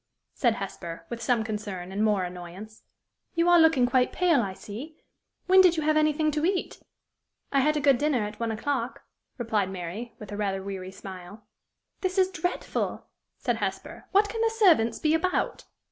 said Hesper, with some concern, and more annoyance. "You are looking quite pale, I see! When did you have anything to eat?" "I had a good dinner at one o'clock," replied Mary, with a rather weary smile. "This is dreadful!" said Hesper. "What can the servants be about!"